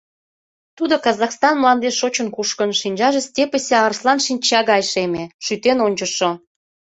Тудо Казахстан мландеш шочын-кушкын, шинчаже степьысе арслан шинча гай шеме, шӱтен ончышо.